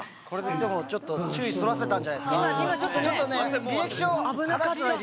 これででもちょっと注意そらせたんじゃないですか？